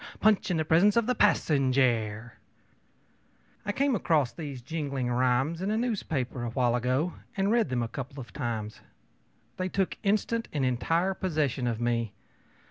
Punch in the presence of the passenjare! I came across these jingling rhymes in a newspaper, a little while ago, and read them a couple of times. They took instant and entire possession of me.